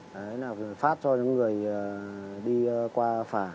đấy là phát cho những người đi qua phả